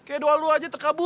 kayak doa lo aja terkabul